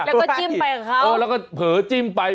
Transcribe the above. แล้วก็จิ้มไปกับเขาแล้วก็เผลอจิ้มไป